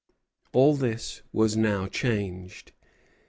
All this was now changed.